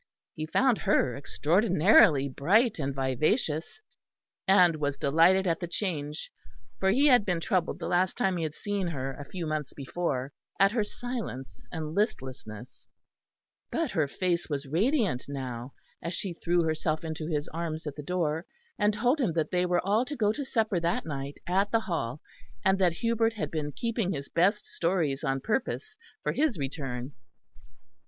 He found her extraordinarily bright and vivacious, and was delighted at the change, for he had been troubled the last time he had seen her a few months before, at her silence and listlessness; but her face was radiant now, as she threw herself into his arms at the door, and told him that they were all to go to supper that night at the Hall; and that Hubert had been keeping his best stories on purpose for his return.